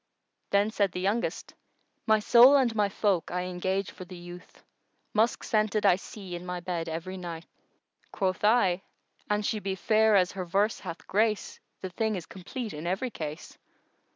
Then said the youngest:— My soul and my folk I engage for the youth * Musk scented I see in my bed every night! Quoth I, "An she be fair as her verse hath grace, the thing is complete in every case."